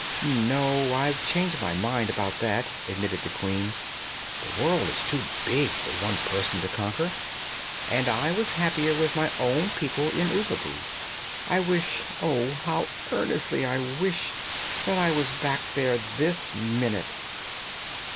"No; I've changed my mind about that," admitted the Queen. "The world is too big for one person to conquer and I was happier with my own people in Oogaboo. I wish Oh, how earnestly I wish that I was back there this minute!"